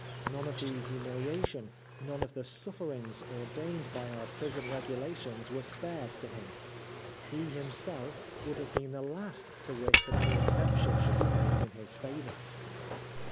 None of the humiliation, none of the sufferings ordained by our prison regulations were spared to him : he, himself, would have been the last to wish that any exception should be made in his favour.